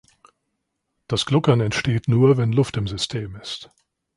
Das Gluckern entsteht nur, wenn Luft im System ist.